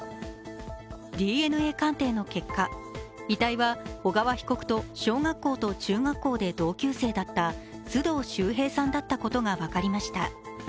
ＤＮＡ鑑定の結果、遺体は小川被告と小学校と中学校で同級生だった須藤秀平さんだったことが分かりました。